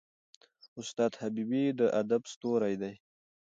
استاد حبیبي د ادب ستوری دی.